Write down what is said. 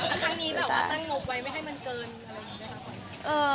อันทางนี้แบบว่าตั้งงดไว้ไม่ให้มันเจินอะไรที่นี่